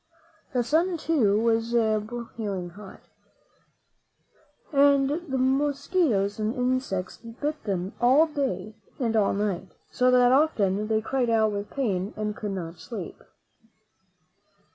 The sun, too, was broiling hot, and the mos quitoes and insects bit them all day and all night, so that often they cried out with pain and could not sleep.